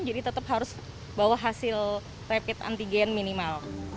jadi tetap harus bawa hasil rapid antigen minimal